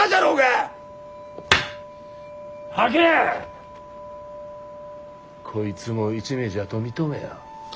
吐け！こいつも一味じゃと認めや。